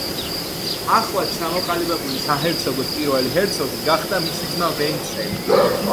ახლად ჩამოყალიბებული საჰერცოგოს პირველი ჰერცოგი გახდა მისი ძმა ვენცელი.